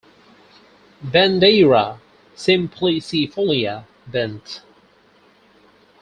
"Bandeiraea simplicifolia" Benth.